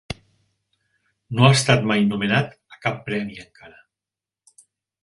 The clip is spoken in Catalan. No ha estat mai nomenat a cap premi encara.